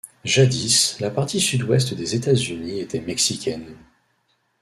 Jadis, la partie sud-ouest des États-Unis était mexicaine.